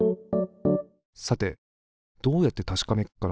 さてどうやってたしかめっかなあ。